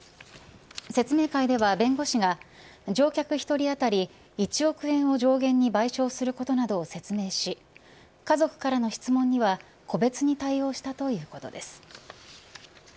説明会では弁護士が乗客１人当たり１億円を上限に賠償することなどを説明し家族からの質問には個別に対応したということです。